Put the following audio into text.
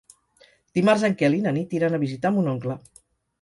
Dimarts en Quel i na Nit iran a visitar mon oncle.